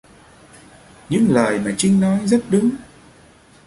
Những lời mà Trinh nói rất đúng